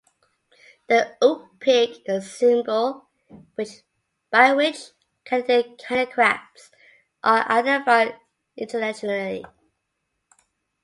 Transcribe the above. The Ookpik is a symbol by which Canadian handicrafts are identified internationally.